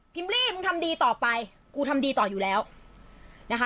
ลี่มึงทำดีต่อไปกูทำดีต่ออยู่แล้วนะคะ